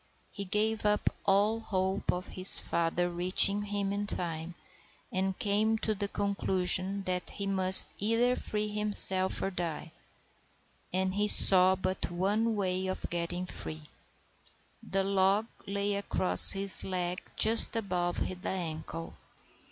He gave up all hope of his father reaching him in time, and came to the conclusion that he must either free himself or die; and he saw but one way of getting free. The log lay across his leg just above the ankle.